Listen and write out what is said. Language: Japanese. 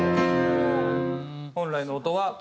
本来の音は。